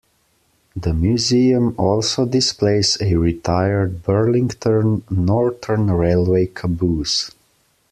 The museum also displays a retired Burlington Northern Railway caboose.